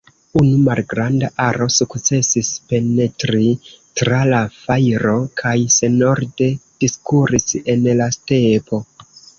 Unu malgranda aro sukcesis penetri tra la fajro kaj senorde diskuris en la stepo.